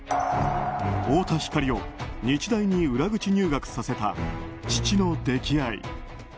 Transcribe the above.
太田光を日大に裏口入学させた父の溺愛。